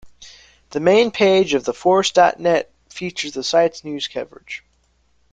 The main page of TheForce.Net features the site's news coverage.